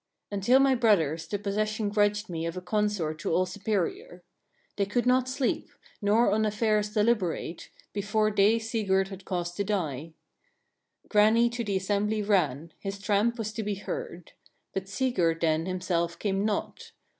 3. Until my brothers the possession grudged me of a consort to all superior. They could not sleep, nor on affairs deliberate, before they Sigurd had caused to die. 4. Grani to the assembly ran, his tramp was to be heard; but Sigurd then himself came not.